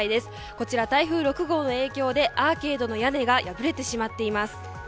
こちら台風６号の影響でアーケードの屋根が壊れてしまっています。